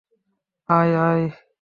আয়, আয়!